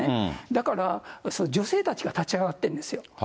だから、女性たちが立ち上がってるんですよ。